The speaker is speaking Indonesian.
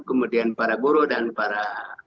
kemudian para guru dan para